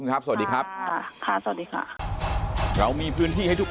เขากำลังให้การช่วยเหลืออยู่ค่ะ